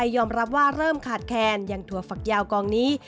ยอมรับว่าเริ่มขาดแคนอย่างถั่วฝักยาวกองนี้